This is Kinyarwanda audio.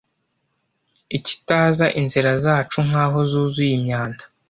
ikitaza inzira zacu nk’aho zuzuye imyanda.